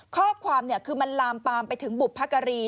ข้อความคือมันลามปามไปถึงบุพการี